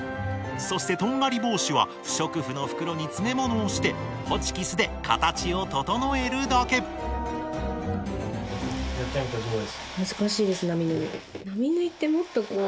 そしてとんがり帽子は不織布の袋に詰め物をしてホチキスで形を整えるだけ頑張れ頑張れ。